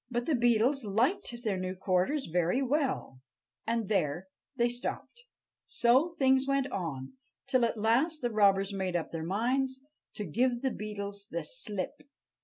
But the Beetles liked their new quarters very well, and there they stopped. So things went on, till at last the robbers made up their minds to give the Beetles the slip.